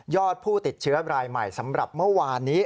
ผู้ติดเชื้อรายใหม่สำหรับเมื่อวานนี้